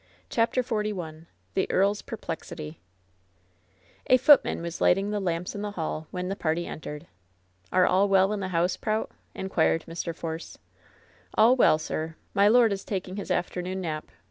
CHAPTER XLI THE EAEL's PEEPLBXITT A FOOTMAN was lighting the lamps in the hall when Jhe party entered. "Are all well in the house, Prout V^ inquired Mr. Force. "All well, sir. My lord is taking his afternoon nap.